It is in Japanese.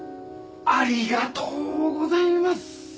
ありがとうございます。